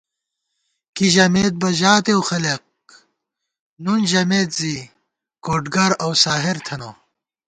کی ژَمېت بہ ژاتېؤ خلَک، نُون ژَمېت زِی کوڈگر اؤ ساحر تھنہ